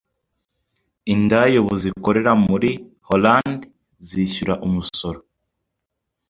indaya ubu zikora muri Hollande zishyura Umusoro